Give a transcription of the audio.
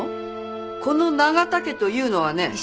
この永田家というのはね。